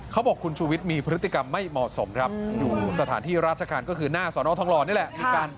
เขาบอกคุณชูวิทย์มีพฤติกรรมไม่เหมาะสมครับอยู่สถานที่ราชการก็คือหน้าสอนอทองหล่อนี่แหละ